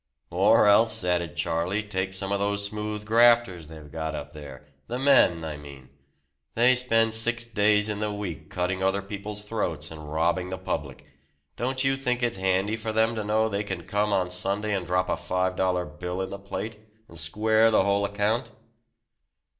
"Or else," added Charlie, "take some of those smooth grafters they've got up there the men, I mean. They spend six days in the week cutting other people's throats, and robbing the public. Don't you think it's handy for them to know they can come on Sunday and drop a five dollar bill in the plate, and square the whole account?"